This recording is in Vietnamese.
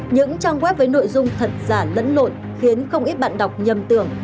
những trang web với nội dung thật giả lẫn lộn khiến không ít bạn đọc nhầm tưởng